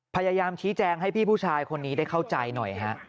พยายามชี้แจงให้พี่ผู้ชายคนนี้ได้เข้าใจหน่อยฮะ